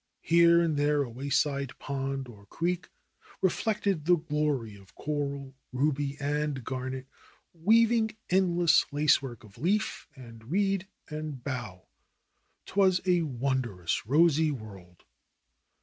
Here and there a wayside pond or creek reflected the glory of coral, ruby and garnet, weaving endless lace work of leaf, and reed, and bough. 'Twas a wondrous rosy world